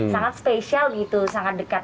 sangat spesial gitu sangat dekat